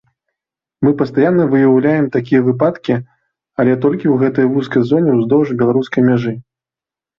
Мы пастаянна выяўляем такія выпадкі, але толькі ў гэтай вузкай зоне ўздоўж беларускай мяжы!